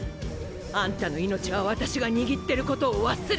アンタの命は私が握ってることを忘れないで！